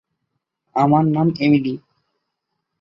আমার নাম এমিলি।